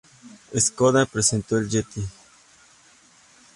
Škoda presentó el Yeti.